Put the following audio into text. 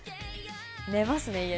寝ますね、家で。